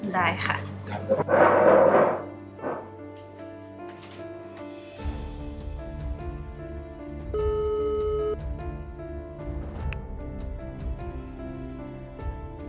ได้ค่ะ